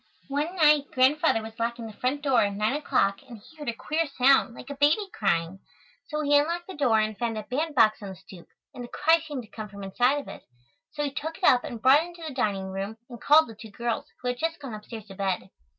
One night Grandfather was locking the front door at nine o'clock and he heard a queer sound, like a baby crying. So he unlocked the door and found a bandbox on the stoop, and the cry seemed to come from inside of it. So he took it up and brought it into the dining room and called the two girls, who had just gone upstairs to bed.